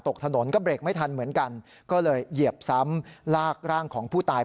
ตกถนนก็เบรกไม่ทันเหมือนกันก็เลยเหยียบซ้ำลากร่างของผู้ตาย